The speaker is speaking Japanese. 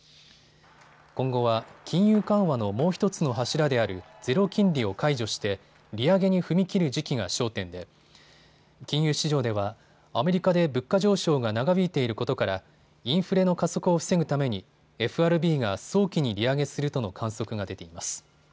今後は金融緩和のもう１つの柱であるゼロ金利を解除して利上げに踏み切る時期が焦点で金融市場ではアメリカで物価上昇が長引いていることからインフレの加速を防ぐためにＦＲＢが早期に利上げするとの観測が出ています。